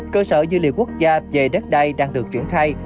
cơ sở dữ liệu quốc gia về đất đai đang được triển khai